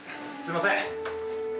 すみません。